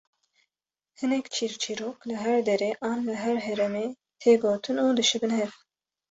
Hinek çîrçîrok li her derê an li her heremê tê gotin û dişibin hev